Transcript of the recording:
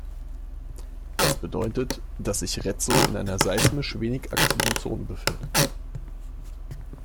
Das bedeutet, dass sich Rezzo in einer seismisch wenig aktiven Zone befindet.